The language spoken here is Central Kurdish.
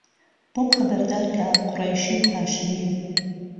بۆم خهبەردارکه قوڕهیشی و هاشمی